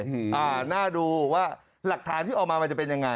อ่าน่าดูว่าหลักฐานที่ออกมามันจะเป็นยังไง